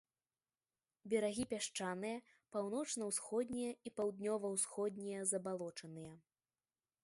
Берагі пясчаныя, паўночна-ўсходнія і паўднёва-ўсходнія забалочаныя.